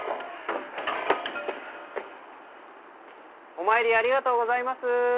お参りありがとうございますゥ。